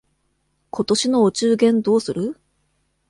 今年のお中元どうする？